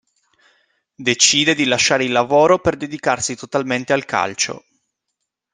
Decide di lasciare il lavoro per dedicarsi totalmente al calcio.